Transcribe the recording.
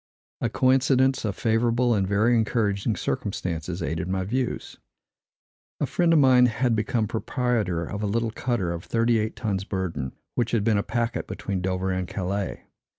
A coincidence of favorable and very encouraging circumstances aided my views. A friend of mine had become proprietor of a little cutter of thirty eight tons burden, which had been a packet between Dover and Calais.